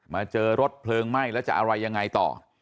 เจอรถเพลิงไหม้แล้วจะอะไรยังไงต่อ